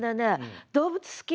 動物好き？